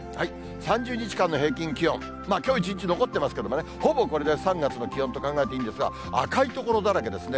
３０日間の平均気温、きょう１日残ってますけどね、ほぼこれで３月の気温と考えていいんですが、赤い所だらけですね。